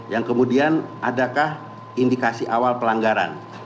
yang kemudian adakah indikasi awal pelanggaran